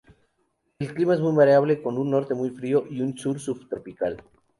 El clima es muy variable, con un norte frío y un sur subtropical.